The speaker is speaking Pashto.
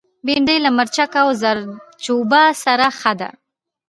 بېنډۍ له مرچ او زردچوبه سره ښه ده